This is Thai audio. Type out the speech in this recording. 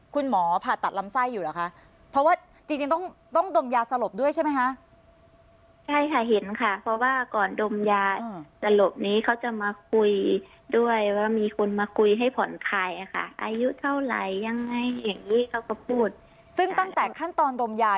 คุณหมอผ่าตัดลำไส้อยู่เหรอคะเพราะว่าจริงต้องดมยาสลบด้วยใช่ไม่คะ